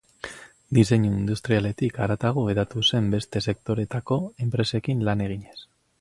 Diseinu industrialetik haratago hedatu zen beste sektoretako enpresekin lan eginez.